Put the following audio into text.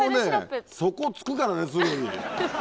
底を突くからねすぐに。